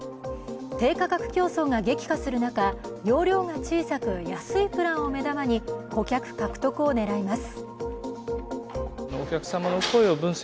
低価格競争が激化する中容量が小さく、安いプランを目玉に顧客獲得を狙います。